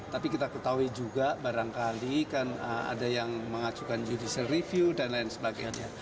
tapi kita ketahui juga barangkali kan ada yang mengajukan judicial review dan lain sebagainya